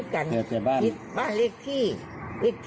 กัดทำให้ไล่ออกล่ะ